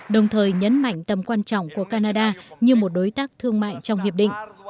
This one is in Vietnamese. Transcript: đồng thời nhấn mạnh tầm quan trọng của canada như một đối tác thương mại trong hiệp định